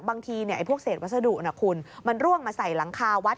บางทีพวกเศษวัสดุนะคุณมันร่วงมาใส่หลังคาวัด